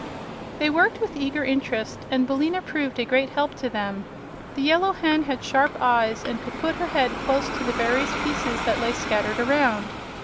They worked with eager interest, and Billina proved a great help to them. The Yellow Hen had sharp eyes and could put her head close to the various pieces that lay scattered around.